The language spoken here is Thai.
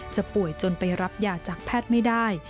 ป่วยจนไปรับยาจากแพทย์ไม่ได้